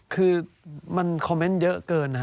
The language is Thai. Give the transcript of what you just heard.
คือมันคอมเมนต์เยอะเกินนะฮะ